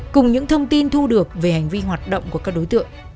cùng những thông tin thu được về hành vi hoạt động của các đối tượng